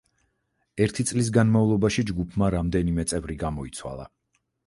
ერთი წლის განმავლობაში ჯგუფმა რამდენიმე წევრი გამოიცვალა.